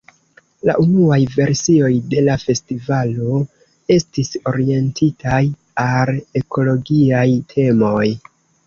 La unuaj versioj de la festivalo estis orientitaj al ekologiaj temoj.